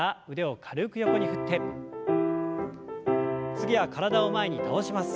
次は体を前に倒します。